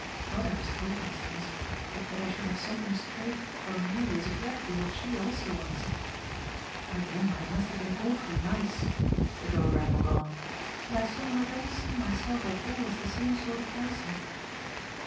Mother has told me things, but that I should have something straight from you is exactly what she also wants. My grandmother must have been awfully nice," the girl rambled on, "and I somehow don't see myself at all as the same sort of person."